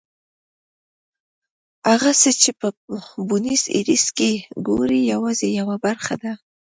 هغه څه چې په بونیس ایرس کې ګورئ یوازې یوه برخه ده.